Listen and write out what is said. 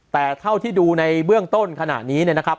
แต่เท่าที่ดูในเบื้องต้นขณะนี้เนี่ยนะครับ